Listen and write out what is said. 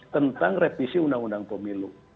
tentang revisi undang undang pemilu